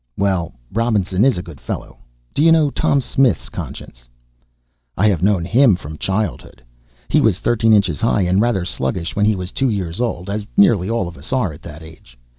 "Well, Robinson is a good fellow. Do you know Tom Smith's conscience?" "I have known him from childhood. He was thirteen inches high, and rather sluggish, when he was two years old as nearly all of us are at that age.